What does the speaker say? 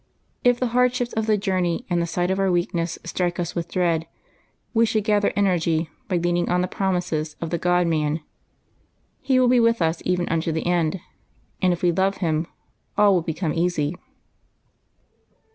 If the hardships of the journey and the sight of our own weakness strike us with dread, we should gather energy by leaning on the promises of the God man. He will be with us even unto the end, and if we love Him all will become easy.